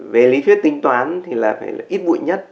về lý thuyết tính toán thì là phải ít bụi nhất